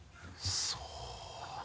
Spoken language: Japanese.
そう。